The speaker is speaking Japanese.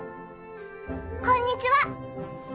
こんにちは。